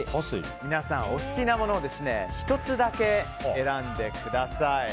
皆さん、お好きなものを１つだけ選んでください。